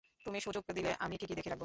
তুমি সুযোগ দিলে আমি ঠিকই দেখে রাখবো।